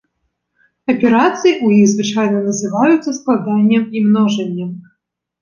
Аперацыі ў іх звычайна называюцца складаннем і множаннем.